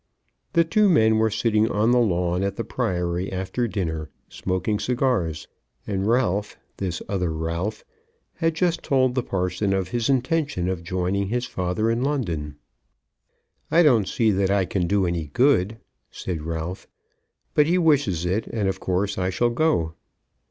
The two men were sitting on the lawn at the Priory after dinner, smoking cigars, and Ralph, this other Ralph, had just told the parson of his intention of joining his father in London. "I don't see that I can do any good," said Ralph, "but he wishes it, and of course I shall go."